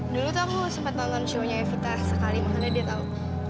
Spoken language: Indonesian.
dulu tuh aku sempet nonton show nya evita sekali makanya dia tau